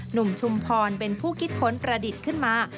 ชุมพรเป็นผู้คิดค้นประดิษฐ์ขึ้นมา